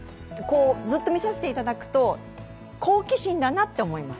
ずっと見させていただくと好奇心だなと思います。